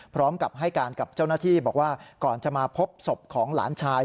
พร้อมกับให้การกับเจ้าหน้าที่บอกว่าก่อนจะมาพบศพของหลานชาย